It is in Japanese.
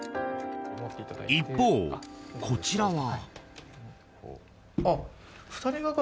一方、こちらは。